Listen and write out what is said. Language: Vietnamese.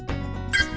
giúp giảm mất vấn đồn